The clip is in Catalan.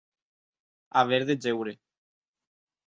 Haver de jeure.